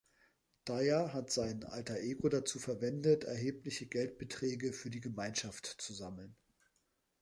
Dyer hat sein Alter Ego dazu verwendet, erhebliche Geldbeträge für die Gemeinschaft zu sammeln.